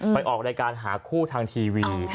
ไปออกรายการหาคู่ทางทีวี